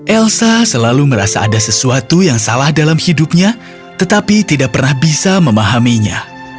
elsa selalu merasa ada sesuatu yang salah dalam hidupnya tetapi tidak pernah bisa memahaminya